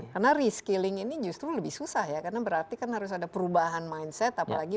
karena reskilling ini justru lebih susah ya karena berarti kan harus ada perubahan mindset apalagi